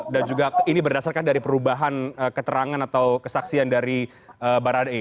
dan juga ini berdasarkan dari perubahan keterangan atau kesaksian dari baran e